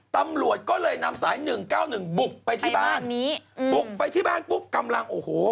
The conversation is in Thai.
ตำรวจก็เลยนำสาย๑๙๑บุกไปที่บ้านบุกไปที่บ้านปุ๊บกำลังโอ้โห